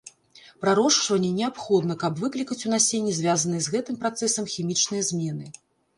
Прарошчванне неабходна, каб выклікаць у насенні звязаныя з гэтым працэсам хімічныя змены.